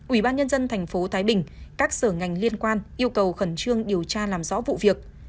ủy ban nhân dân tp thái bình các sở ngành liên quan yêu cầu khẩn trương điều tra làm rõ vụ việc